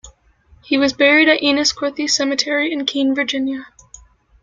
He was buried at Enniscorthy Cemetery in Keene, Virginia.